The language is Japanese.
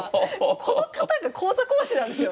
この方が講座講師なんですよ！